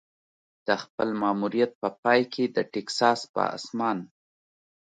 د خپل ماموریت په پای کې د ټیکساس په اسمان.